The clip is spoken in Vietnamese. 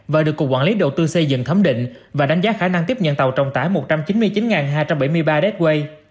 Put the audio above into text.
và được cục quản lý đầu tư xây dựng thấm định và đánh giá khả năng tiếp nhận tàu trọng tải một trăm chín mươi chín hai trăm bảy mươi ba detway